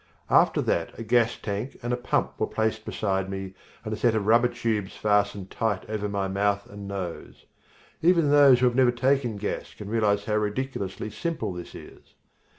After that a gas tank and a pump were placed beside me and a set of rubber tubes fastened tight over my mouth and nose. Even those who have never taken gas can realize how ridiculously simple this is.